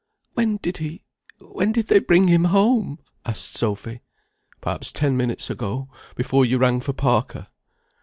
"When did he when did they bring him home?" asked Sophy. "Perhaps ten minutes ago. Before you rang for Parker."